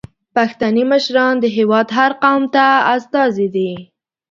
پښتني مشران د هیواد د هر قوم استازي دي.